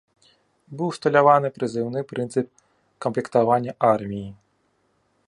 Быў усталяваны прызыўны прынцып камплектавання арміі.